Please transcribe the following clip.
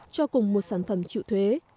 cho cùng một sản phẩm chịu thuế